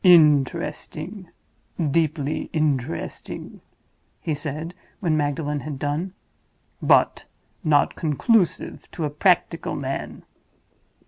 "Interesting, deeply interesting," he said, when Magdalen had done. "But not conclusive to a practical man.